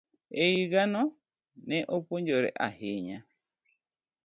E higano, ne opuonjore ahinya.